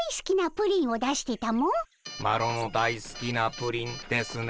「マロのだいすきなプリン」ですね？